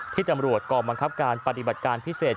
ที่ตำรวจกองบังคับการปฏิบัติการพิเศษ